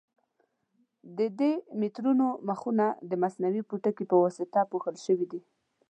د دې مترونو مخونه د مصنوعي پوټکي په واسطه پوښل شوي دي.